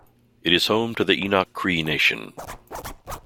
It is home to the Enoch Cree Nation.